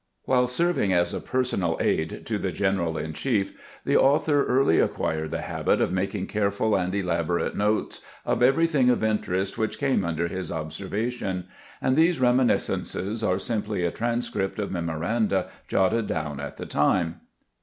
While serving as a personal aid to the general in chief the author early acquired the habit of making careful and elaborate notes of everything of interest which came under his observation, and these remini scences are simply a transcript of memoranda jotted down at the time.